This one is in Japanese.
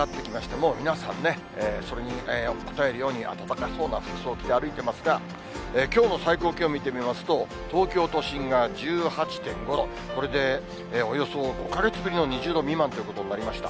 もう皆さんね、それに応えるように、暖かそうな服装を着て歩いてますが、きょうの最高気温見てみますと、東京都心が１８．５度、これでおよそ５か月ぶりの２０度未満ということになりました。